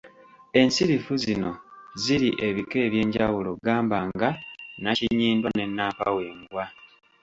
Ensirifu zino zirimu ebika eby’enjawulo gamba nga, ‘nnakinnyindwa’ ne nnampawengwa.